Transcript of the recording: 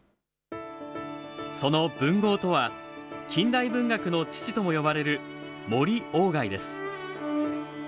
その文豪とは、近代文学の父とも呼ばれる森鴎外です。